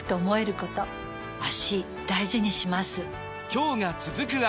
今日が、続く脚。